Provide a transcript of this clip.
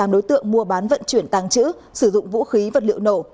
hai trăm tám mươi tám đối tượng mua bán vận chuyển tàng trữ sử dụng vũ khí vật liệu nổ